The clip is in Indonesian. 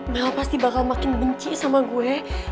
maka pasti bakal makin benci sama gue